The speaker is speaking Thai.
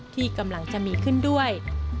ที่กำลังจะมีขึ้นด้วย